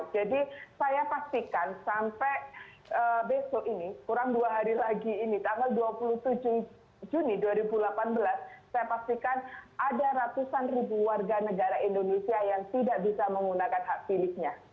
jadi saya pastikan sampai besok ini kurang dua hari lagi ini tanggal dua puluh tujuh juni dua ribu delapan belas saya pastikan ada ratusan ribu warga negara indonesia yang tidak bisa menggunakan hak pilihnya